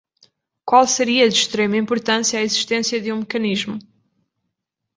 qual seria de extrema importância a existência de um mecanismo